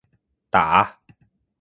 打